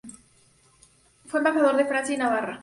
Fue embajador en Francia y Navarra.